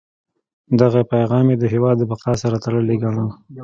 دغه پیغام یې د هیواد د بقا سره تړلی ګاڼه.